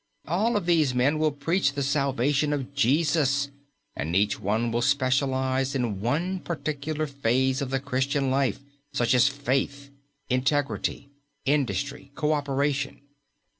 All of these men will preach the salvation of Jesus, but each one will specialize in one particular phase of the Christian life, such as Faith, Integrity, Industry, Coöperation.